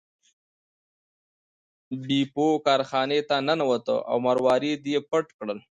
بیپو کارخانې ته ننوت او مروارید یې پټ کړ.